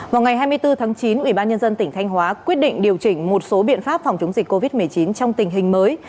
vào ngày hai mươi bốn tháng chín ủy ban nhân dân tỉnh thanh hóa quyết định điều chỉnh một số biện pháp phòng chống dịch covid một mươi chín trong tình hình mới